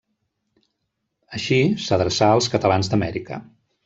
Així, s'adreçà als catalans d'Amèrica.